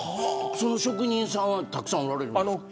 その職人さんはたくさんおられるんですか。